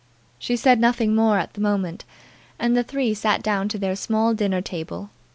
She said nothing more at the moment, and the three sat down to their small dinner table.